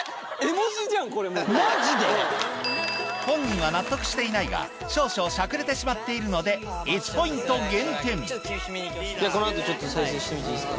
本人は納得していないが少々しゃくれてしまっているのでこの後再生してみていいっすか。